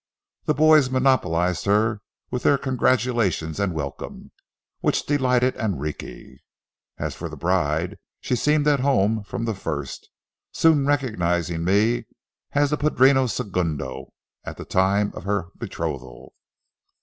The boys monopolized her with their congratulations and welcome, which delighted Enrique. As for the bride, she seemed at home from the first, soon recognizing me as the padrino segundo at the time of her betrothal.